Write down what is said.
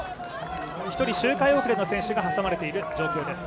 １人周回遅れの選手が挟まれている状況です。